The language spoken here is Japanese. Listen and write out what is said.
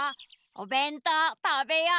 おべんとうたべよう！